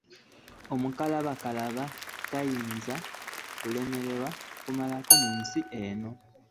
Omukalabakalaba tayinza kulemwa kumalako mu nsi muno.